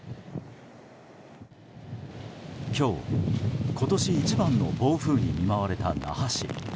今日、今年一番の暴風に見舞われた那覇市。